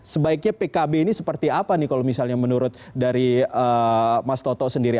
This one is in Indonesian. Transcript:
sebaiknya pkb ini seperti apa nih kalau misalnya menurut dari mas toto sendiri